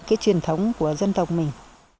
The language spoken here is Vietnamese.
cái truyền thống của dân tộc mình